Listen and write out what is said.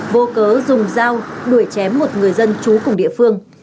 vô cớ dùng dao đuổi chém một người dân trú cùng địa phương